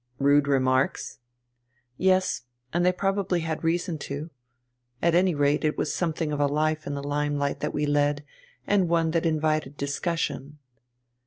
"Rude remarks?" "Yes, and they probably had reason to. At any rate it was something of a life in the limelight that we led, and one that invited discussion."